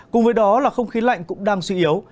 cùng với đó là không khí lạnh cũng đang suy yếu